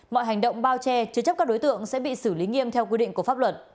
mọi hành động bao che chứa chấp các đối tượng sẽ bị xử lý nghiêm theo quy định của pháp luật